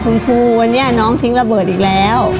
คุณครูวันนี้น้องทิ้งระเบิดอีกแล้ว